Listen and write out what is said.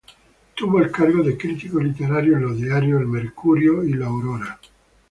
Tuvo el cargo de crítico literario en los diarios El Mercurio y La Aurora.